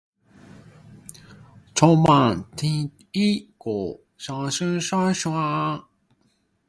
聽完一句又一句，唔洗唞吓咩